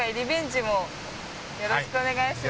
よろしくお願いします。